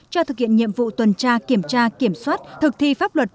cho thực hiện nhiệm vụ tuần tra kiểm tra kiểm soát thực thi pháp luật